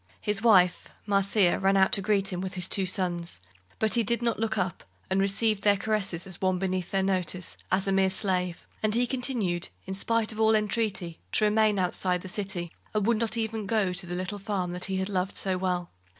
His wife, Marcia, ran out to greet him, with his two sons, but he did not look up, and received their caresses as one beneath their notice, as a mere slave, and he continued, in spite of all entreaty, to remain outside the city, and would not even go to the little farm he had loved so well.